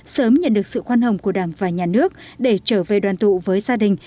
sớm nhận được sự khoan hồng của đảng và nhà nước để trở về đoàn tụ với gia đình